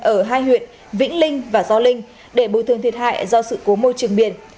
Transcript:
ở hai huyện vĩnh linh và gio linh để bồi thường thiệt hại do sự cố môi trường biển